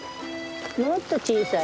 もっと小さい。